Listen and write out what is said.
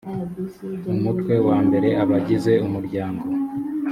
umutwe wa mbere abagize umuryango